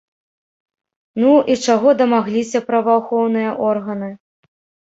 Ну і чаго дамагліся праваахоўныя органы?